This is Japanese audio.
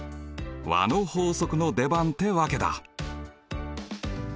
和の法則の出番ってわけだ。